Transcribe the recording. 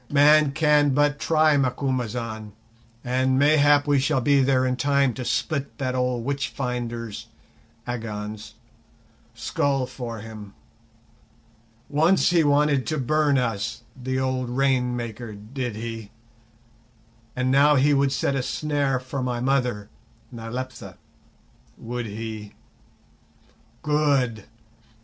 man can but try, Macumazahn; and mayhap we shall be there in time to split that old 'witch finder's' [Agon's] skull for him. Once he wanted to burn us, the old 'rain maker', did he? And now he would set a snare for my mother [Nyleptha], would he? Good!